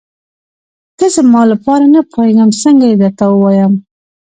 ته زما لپاره نه پوهېږم څنګه یې درته ووايم.